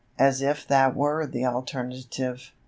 As if that were the alternative.